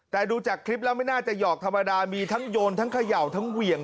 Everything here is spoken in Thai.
แต่ดูจากคลิปแล้วไม่น่าจะหยอกธรรมดามีทั้งโยนทั้งเขย่าทั้งเหวี่ยง